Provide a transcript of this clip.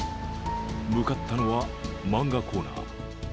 向かったのは漫画コーナー。